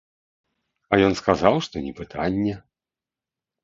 А ён сказаў, што не пытанне.